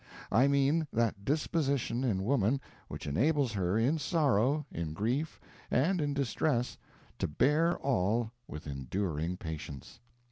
I mean that disposition in woman which enables her, in sorrow, in grief, and in distress, to bear all with enduring patience.